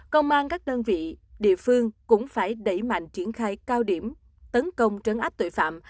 công an các đơn vị địa phương cũng phải đẩy mạnh triển khai cao điểm tấn công trấn áp tội phạm